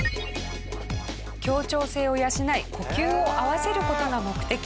協調性を養い呼吸を合わせる事が目的。